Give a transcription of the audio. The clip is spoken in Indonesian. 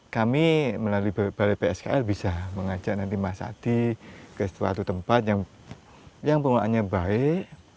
kami melalui balai pskl bisa mengajak nanti mas adi ke suatu tempat yang pengelolaannya baik